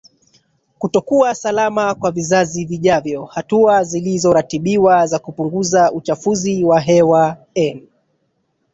kutokuwa salama kwa vizazi vijavyo Hatua zilizoratibiwa za kupunguza uchafuzi wa hewa n